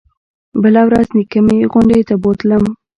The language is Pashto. بله ورځ نيكه مې غونډۍ ته بوتلم.